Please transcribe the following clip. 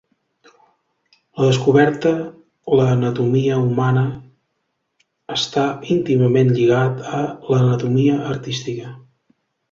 La descoberta l'anatomia humana està íntimament lligat a l'anatomia artística.